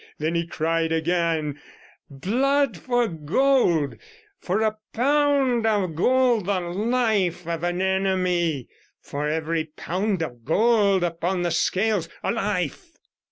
Then he cried again 'Blood for gold, for a pound of gold, the life of an enemy. For every pound of gold upon the scales, a life.'